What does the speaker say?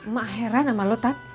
mak heran sama lu tat